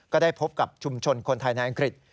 ก็ได้พบกับชุมชนคนไทยในอังกฤษ